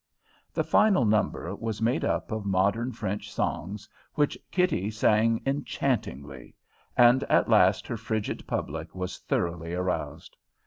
The final number was made up of modern French songs which Kitty sang enchantingly, and at last her frigid public was thoroughly aroused.